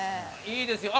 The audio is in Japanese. いいですよ！